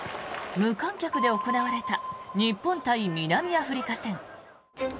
無観客で行われた日本対南アフリカ戦。